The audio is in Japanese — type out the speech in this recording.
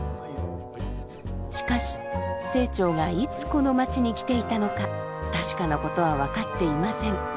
しかし清張がいつこの町に来ていたのか確かなことは分かっていません。